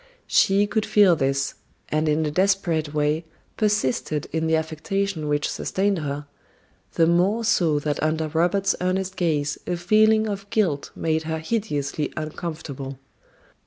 She could feel this, and in a desperate way persisted in the affectation which sustained her, the more so that under Robert's earnest gaze a feeling of guilt made her hideously uncomfortable.